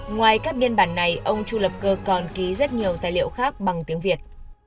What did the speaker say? ngoài các biên bản này ông chu lập cơ còn ký rất nhiều tài liệu khác bằng tiếng việt